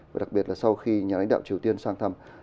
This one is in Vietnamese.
và đặc biệt là sau khi nhà lãnh đạo triều tiên sang thăm